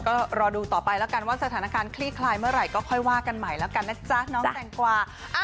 ก็รอดูต่อไปแล้วกันว่าสถานการณ์คลี่คลายเมื่อไหร่ก็ค่อยว่ากันใหม่แล้วกันนะจ๊ะน้องแตงกวา